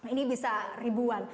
ini bisa ribuan